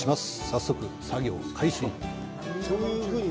早速、作業開始！